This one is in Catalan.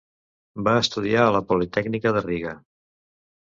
Va estudiar a la Politècnica de Riga.